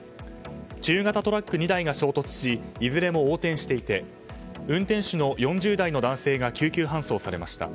中型トラック２台が衝突しいずれも横転していて運転手の４０代の男性が救急搬送されました。